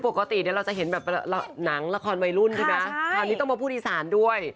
ปกติเราจะเห็นแบบหนังละครมายรุ่นคราวนี้ต้องมาพูดอีศาลด้วย